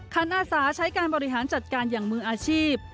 อาสาใช้การบริหารจัดการอย่างมืออาชีพ